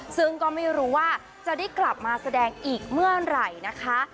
ซึ่งก็ไม่รู้ว่าจะได้กลับมาแสดงอีกเมื่อไหร่นะคะ